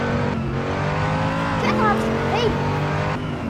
Tekkat ɣef teqbaylit.